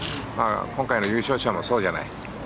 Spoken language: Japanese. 今回の優勝者もそうじゃない。